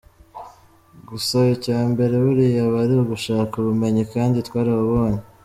Gusa icya mbere buriya aba ari ugushaka ubumenyi kandi twarabubonye.